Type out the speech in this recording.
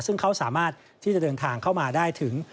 ซึ่งเขาสามารถที่จะเดินทางเข้ามาได้ถึง